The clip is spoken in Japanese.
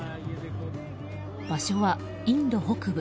場所はインド北部。